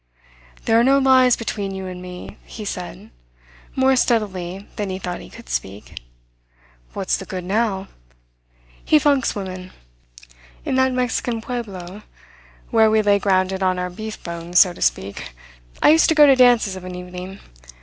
"There are no lies between you and me," he said, more steadily than he thought he could speak. "What's the good now? He funks women. In that Mexican pueblo where we lay grounded on our beef bones, so to speak, I used to go to dances of an evening.